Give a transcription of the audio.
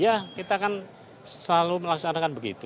ya kita kan selalu melaksanakan begitu